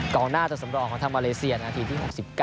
กล่องหน้าที่สำรองของทางมาเลเซีย๑๙นาที